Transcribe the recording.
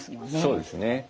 そうですね。